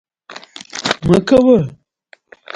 علامه حبيبي د نړیوالو تاریخونو له منابعو ګټه اخېستې ده.